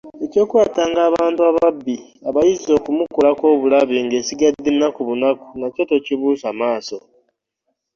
Eky’okwetanga abantu ababi abayinza okumukolako obulabe ng’esigadde nnaku bunaku nakyo tokibuusa maaso.